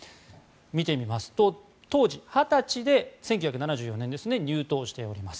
見てみますと、当時２０歳で１９７４年ですね入党しております。